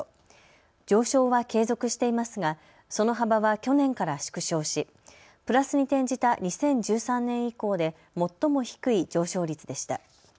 上昇は継続していますがその幅は去年から縮小しプラスに転じた２０１３年以降で最も低い上昇率でした。